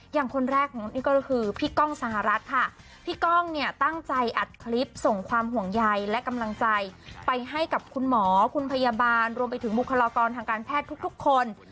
อย่างคนแรกของนี่ก็คือพี่ก้องสหรัฐค่ะพี่ก้องเนี่ยตั้งใจอัดคลิปส่งความห่วงใยและกำลังใจไปให้กับคุณหมอคุณพยาบาลรวมไปถึงบุคลากรทางการแพทย์ทุกคน